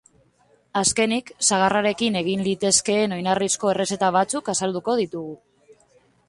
Azkenik, sagarrarekin egin litezkeen oinarrizko errezeta batzuk azalduko ditugu.